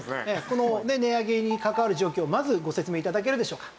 この値上げに関わる状況をまずご説明頂けるでしょうか？